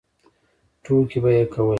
ټوکې به یې کولې.